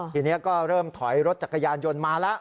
ทีนี้ก็เริ่มถอยรถจักรยานยนต์มาแล้ว